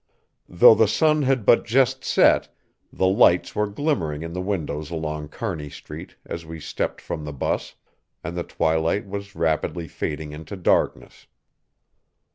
Though the sun had but just set, the lights were glimmering in the windows along Kearny Street as we stepped from the 'bus, and the twilight was rapidly fading into darkness.